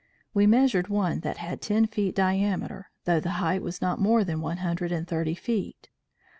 We measured one that had ten feet diameter, though the height was not more than one hundred and thirty feet.